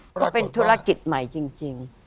ก็เป็นธุรกิจใหม่จริง